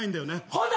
ほな